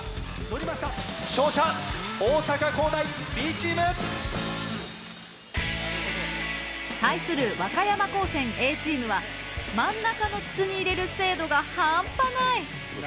勝者大阪公大Ｂチーム！対する和歌山高専Ａチームは真ん中の筒に入れる精度が半端ない！